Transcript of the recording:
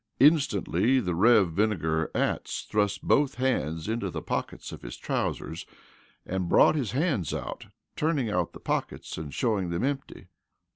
Instantly the Rev. Vinegar Atts thrust both hands into the pockets of his trousers and brought his hands out, turning out the pockets and showing them empty.